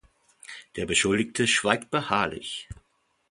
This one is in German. Der Beschuldigte schweigt beharrlich.